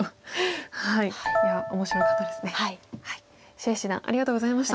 謝七段ありがとうございました。